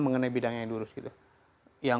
mengenai bidangnya yang diurus gitu yang